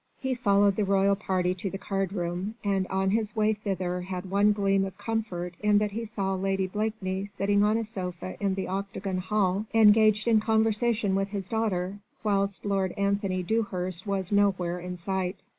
He followed the royal party to the card room, and on his way thither had one gleam of comfort in that he saw Lady Blakeney sitting on a sofa in the octagon hall engaged in conversation with his daughter, whilst Lord Anthony Dewhurst was nowhere in sight.